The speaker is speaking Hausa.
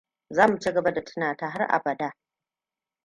Za mu ci gaba da tuna ta har abada.